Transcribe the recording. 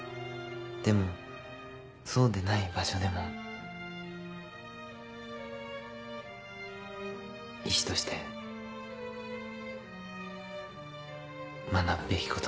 でもそうでない場所でも医師として学ぶべきことはたくさんある。